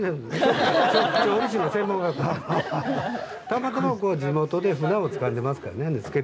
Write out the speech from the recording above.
たまたま地元でふなをつかってますから。